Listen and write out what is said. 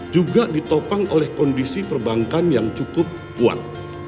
juga ditopang oleh kondisi perbankan yang cukup kuat